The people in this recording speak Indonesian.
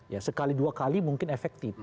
ya sekali dua kali mungkin efektif